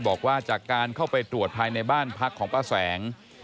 บอกว่าจากการเข้าไปตรวจภายในบ้านพักของป้าแสง